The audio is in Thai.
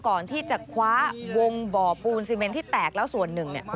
ก่อนที่จะคว้าวงบ่อปูนซีเมนที่แตกแล้วส่วนหนึ่ง